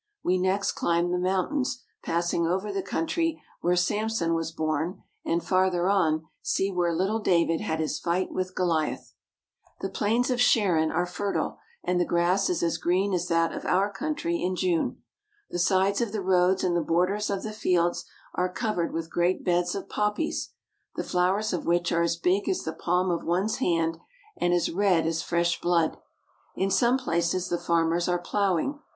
We next climb the mountains, passing over the country where Sam son was born, and, farther on, see where little David had his fight with Goliath. 350 ASIATIC TURKEY Gathering Dates in the Valley of the Euphrates. ASIATIC TURKEY 351 The plains of Sharon are fertile, and the grass is as green as that of our country in June. The sides of the roads and the borders of the fields are covered with great beds of poppies, the flowers of which are as big as the palm of one's hand and as red as fresh blood. In some places the farmers are plowing.